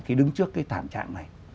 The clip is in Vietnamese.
thì đứng trước cái thảm trạng này